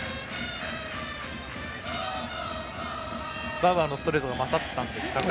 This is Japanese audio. バウアーのストレートが勝ったんですか。